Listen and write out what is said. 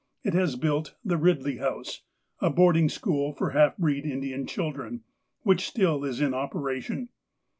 It has built "The Eidley Home," a boarding school for half breed Indian children, which still is in operation.